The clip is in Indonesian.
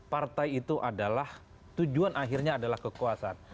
partai itu adalah tujuan akhirnya adalah kekuasaan